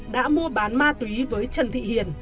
đã mua bán ma túy với trần thị hiền